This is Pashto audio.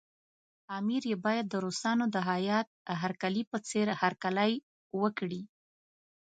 امیر یې باید د روسانو د هیات هرکلي په څېر هرکلی وکړي.